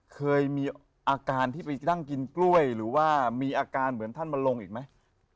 เคยมีอาการที่ไปนั่งกินกล้วยหรือว่ามีอาการเหมือนท่านมาลงอีกไหม